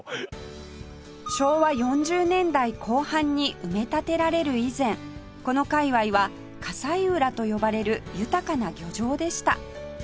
昭和４０年代後半に埋め立てられる以前この界隈は西浦と呼ばれる豊かな漁場でした